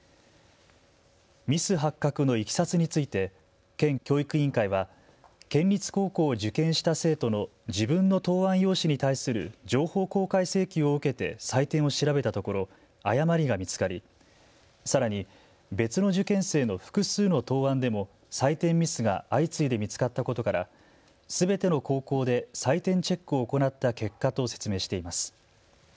ミス発覚のいきさつについて県教育委員会は県立高校を受験した生徒の自分の答案用紙に対する情報公開請求を受けて採点を調べたところ誤りが見つかりさらに別の受験生の複数の答案でも採点ミスが相次いで見つかったことからすべての高校で採点チェックを行った結果と説明しています。